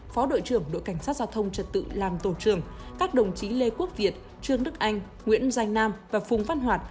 phó đội trưởng đội cảnh sát giao thông trật tự làm tổ trường các đồng chí lê quốc việt trương đức anh nguyễn danh nam và phùng văn hoạt